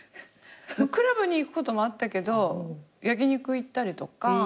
クラブに行くこともあったけど焼き肉行ったりとか。